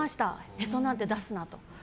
へそなんて出すなって。